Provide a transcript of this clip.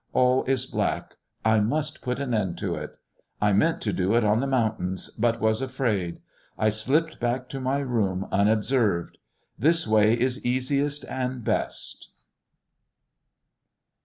All is black. I must put an end to it.... I meant to do it on the mountains, but was afraid. I slipped back to my room unobserved. This way is easiest and best...."